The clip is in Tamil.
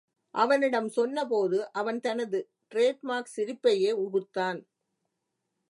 அவனிடம் சொன்ன போது, அவன் தனது டிரேட் மார்க் சிரிப்பையே உகுத்தான்.